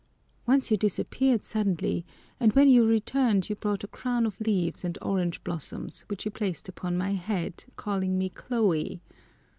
Once you disappeared suddenly and when you returned you brought a crown of leaves and orange blossoms, which you placed upon my head, calling me Chloe.